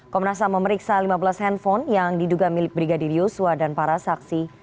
komnasah memeriksa lima belas handphone yang diduga milik brigadir yusua dan para saksi